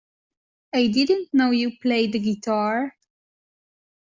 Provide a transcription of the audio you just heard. I didn't know you played the guitar!